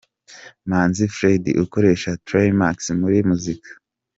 Manzi Fred ukoresha Trey Max muri muzika.